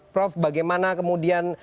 prof bagaimana kemudian